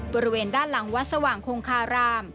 บริเวณด้านหลังวัดสว่างคงคาราม